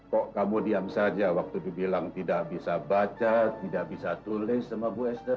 kok kamu diam saja waktu dibilang tidak bisa baca tidak bisa tulis sama bu esther